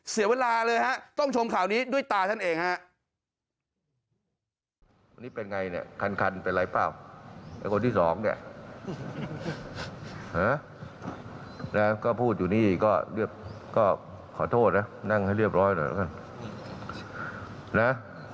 เสียเวลาเลยครับต้องชมข่าวนี้ด้วยตาฉันเองครับ